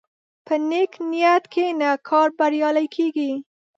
په نیک نیت کښېنه، کار بریالی کېږي.